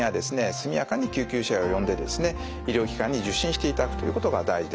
速やかに救急車を呼んで医療機関に受診していただくということが大事です。